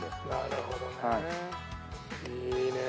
なるほどね。